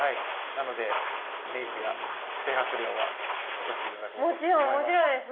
なのでメイクや整髪料は落として頂こうと思います。